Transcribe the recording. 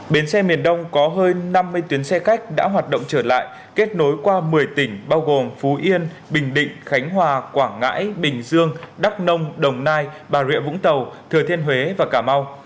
bến xe miền đông có hơn năm mươi tuyến xe khách đã hoạt động trở lại kết nối qua một mươi tỉnh bao gồm phú yên bình định khánh hòa quảng ngãi bình dương đắk nông đồng nai bà rịa vũng tàu thừa thiên huế và cà mau